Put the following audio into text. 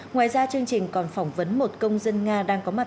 ngoài ra chương trình còn phỏng vấn một công dân nga đang có mặt